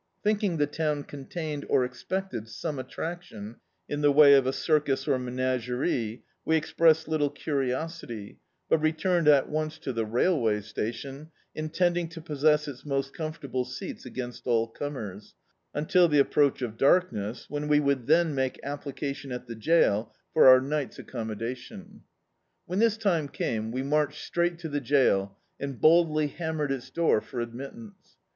Thinking the U>wn cmtained, or expected, some attraction in the way of a circus or menagerie, we expressed little curiosity, but returned at once to the railway station, intending to possess its most comfortable seats against all cwners, until the ap proach of darkness, when we would then make application at the jail for our night's accommoda D,i.,.db, Google A Voice In the Dark tioo. When this time came, we marched straight to the jail, and boldly hanunered its door for ad mittance.